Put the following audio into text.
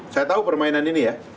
saya tahu permainan ini ya